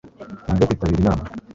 Ingingo ya kwitabira Inama